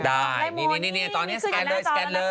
ได้นี่ตอนนี้สแกนเลยสแกนเลย